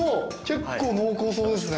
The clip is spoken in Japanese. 結構濃厚そうですね。